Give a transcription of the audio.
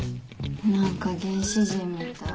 何か原始人みたい。